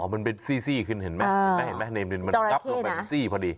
อ๋อมันเป็นซี่ขึ้นเห็นไหมมันงับลงไปเป็นซี่พอดี